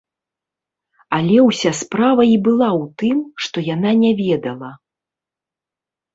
Але ўся справа і была ў тым, што яна не ведала.